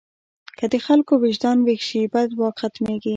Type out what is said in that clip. که د خلکو وجدان ویښ شي، بد واک ختمېږي.